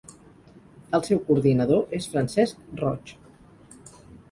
El seu coordinador és Francesc Roig.